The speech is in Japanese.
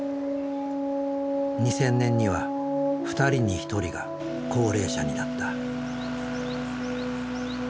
２０００年には２人に１人が高齢者になった。